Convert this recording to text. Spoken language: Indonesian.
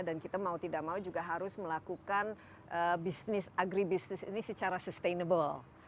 dan kita mau tidak mau juga harus melakukan agribusiness ini secara sustainable